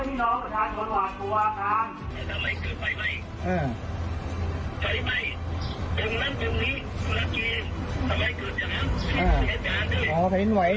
มีปัญหาอะไรมาคุยกับพี่